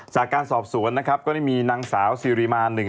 จากการสอบสวนนะครับก็ได้มีนางสาวซีริมารหนึ่ง